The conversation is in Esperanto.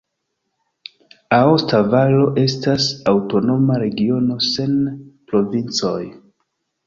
Aosta Valo estas aŭtonoma regiono sen provincoj.